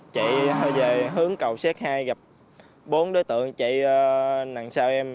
chạy về hướng cầu xe hai gặp bốn đối tượng chạy nằm sau em